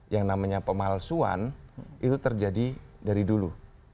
yang namanya pemalsuan itu terjadi dari dulu